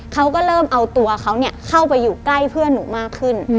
เขาก็เริ่มเอาตัวเขาเข้าไปอยู่ใกล้เพื่อนหนูมากขึ้น